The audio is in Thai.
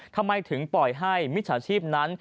ทำไมถึงปล่อยให้มิจฉาชีพนั้น